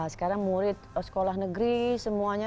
sekarang murid sekolah negeri semuanya